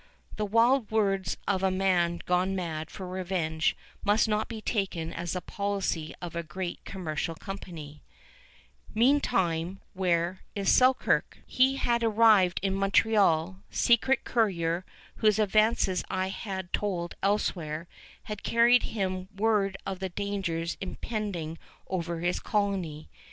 The wild words of a man gone mad for revenge must not be taken as the policy of a great commercial company. Meantime, where was Selkirk? He had arrived in Montreal. Secret coureur, whose adventures I have told elsewhere, had carried him word of the dangers impending over his colony.